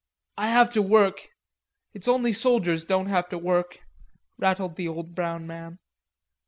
"I have to work. It's only soldiers don't have to work," rattled the old brown man.